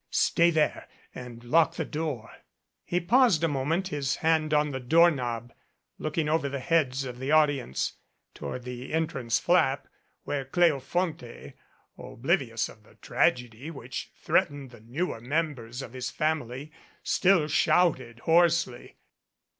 "Stay there and lock the door." He paused a moment, his hand on the doorknob, look ing over the heads of the audience toward the entrance flap, where Cleofonte, oblivious of the tragedy which threatened the newer members of his family, still shouted hoarsely.